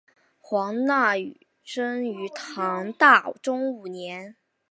黄讷裕生于唐大中五年。